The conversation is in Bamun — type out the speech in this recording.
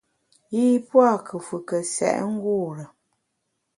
Yi pua’ nkùfùke sèt ngure.